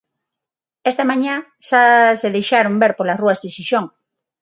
Esta mañá xa se deixaron ver polas rúas de Xixón.